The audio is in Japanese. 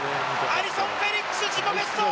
アリソン・フェリックス、自己ベスト！